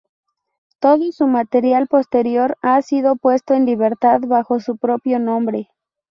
Todo su material posterior ha sido puesto en libertad bajo su propio nombre.